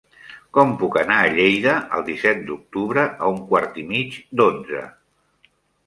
Com puc anar a Lleida el disset d'octubre a un quart i mig d'onze?